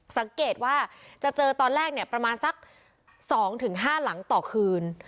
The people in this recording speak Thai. สังเกตว่าจะเจอตอนแรกเนี่ยประมาณสัก๒๕หลังต่อคืน